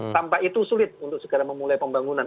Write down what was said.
tanpa itu sulit untuk segera memulai pembangunan